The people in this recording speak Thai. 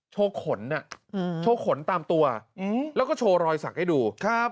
โชว์ขนอะโชว์ขนตามตัวแล้วก็โชว์รอยสักให้ดู